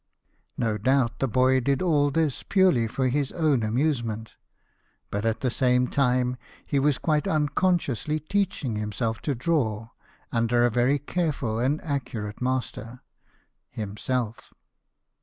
No doubt the boy did all this purely for his own amusement ; but at the same time he was quite unconsciously teaching himself to draw under a very careful and accurate master himself.